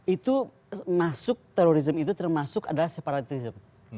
itu masuk terorisme itu termasuk adalah separatism